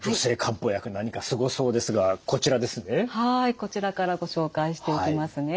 こちらからご紹介していきますね。